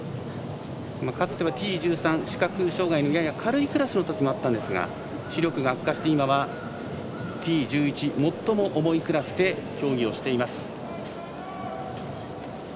かつてはＴ１３、視覚障がいのやや軽いクラスのときもあったんですが視力が悪化して今はＴ１１、最も重いクラスで競技をしています。